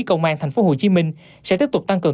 công an tp hcm sẽ tiếp tục tăng cường